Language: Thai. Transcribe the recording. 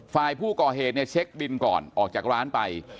ฝ่ายผู้ก่อเหตุเนี่ยเช็คบินก่อนออกจากร้านไป